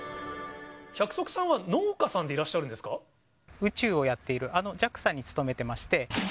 百束さんは農家さんでいらっ宇宙をやっているあのＪＡＸＡに勤めてまして。